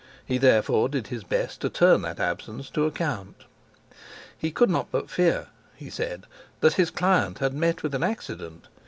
He therefore did his best to turn that absence to account. He could not but fear—he said—that his client had met with an accident.